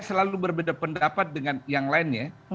selalu berbeda pendapat dengan yang lainnya